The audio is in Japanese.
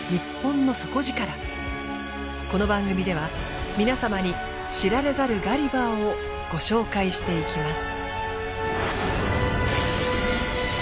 この番組では皆様に知られざるガリバーをご紹介していきます。